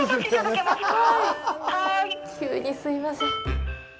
急にすみません。